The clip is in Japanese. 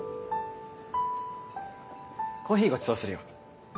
コーヒーごちそうするよ。